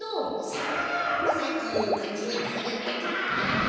さあモザイクンこっちにくるってか！